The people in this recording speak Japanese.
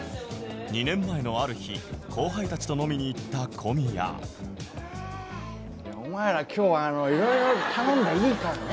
２年前のある日後輩たちと飲みに行った小宮お前ら今日はいろいろ頼んでいいからね。